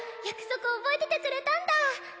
約束覚えててくれたんだ